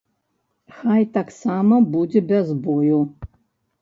Хай таксама будзе без бою.